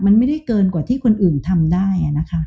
มันไม่ได้เกินกว่าที่คนอื่นทำได้นะคะ